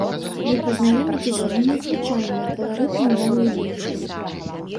Вы пазнаёміцеся з незвычайнай і каларытнай мовай ідыш.